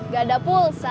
gak ada pulsa